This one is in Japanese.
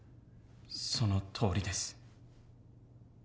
そのとおりです。